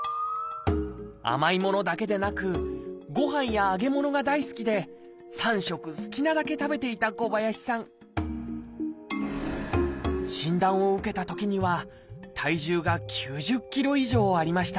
甘いものだけでなくごはんや揚げ物が大好きで３食好きなだけ食べていた小林さん診断を受けたときには体重が９０ｋｇ以上ありました。